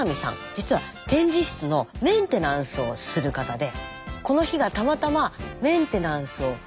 実は展示室のメンテナンスをする方でこの日がたまたまメンテナンスをする日だった。